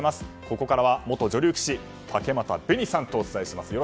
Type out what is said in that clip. ここからは元女流棋士、竹俣紅さんとお伝えします。